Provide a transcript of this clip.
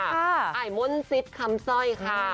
ไอมนซิดคำซ่อยค่ะ